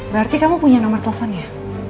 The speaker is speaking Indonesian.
berarti kamu punya nomor teleponnya